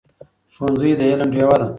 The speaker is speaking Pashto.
ښوونځی د علم ډېوه ده.